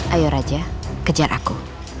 ayo raja kejar aku